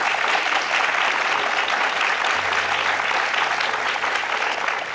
ขอบคุณครับ